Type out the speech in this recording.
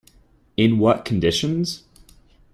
In what conditions?